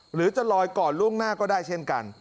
หรือจะลอยก่อนล่วงหน้าก็ได้เช่นกัน